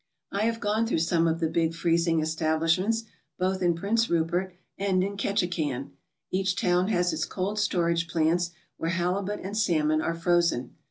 I have gone through some of the big freezing establish ments both in Prince Rupert and in Ketchikan. Each town has its cold storage plants where halibut and salmon are frozen.